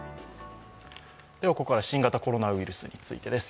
ここから新型コロナウイルスについてです。